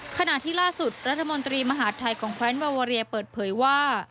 ขณะที่ล่าสุดรัฐมนตรีมหาดไทยของแควนวาวาเรียเปิดเผยว่า